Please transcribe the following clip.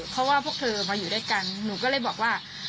เพราะว่าพวกเธอมาอยู่ด้วยกันหนูก็เลยบอกว่า